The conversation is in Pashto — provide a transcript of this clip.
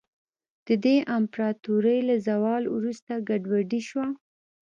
د دې امپراتورۍ له زوال وروسته ګډوډي شوه.